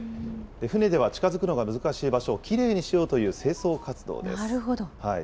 船では近づくのが難しい場所をきれいにしようという清掃活動です。